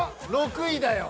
６位だよ。